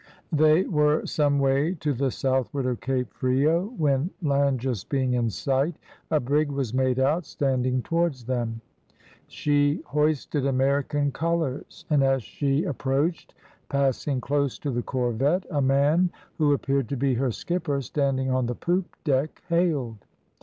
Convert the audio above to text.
They were some way to the southward of Cape Frio, when land just being in sight, a brig was made out, standing towards them. She hoisted American colours, and as she approached, passing close to the corvette, a man, who appeared to be her skipper, standing on the poop deck, hailed.